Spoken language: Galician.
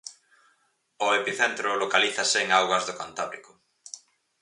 O epicentro localízase en augas do Cantábrico.